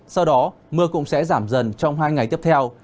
sau đó mưa cũng sẽ giảm dần trong hai ngày tiếp theo